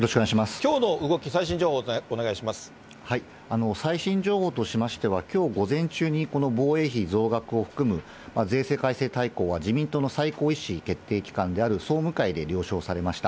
きょうの動き、最新情報としましては、きょう午前中にこの防衛費増額を含む税制改正大綱が自民党の最高意思決定機関である総務会で了承されました。